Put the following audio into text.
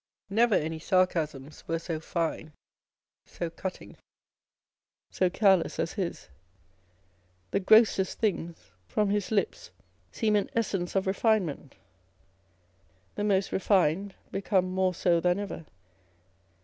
Never any sarcasms were so fine, so cutting, so careless as his. The grossest things from his On the Old Age of Artists. 127 lips seem an essence of refinement : the most refined became more so than ever.